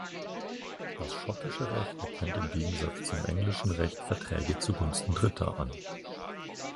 Das schottische Recht erkennt im Gegensatz zum englischen Recht Verträge zu Gunsten Dritter an.